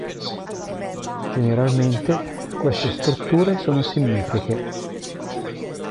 Generalmente queste strutture sono simmetriche.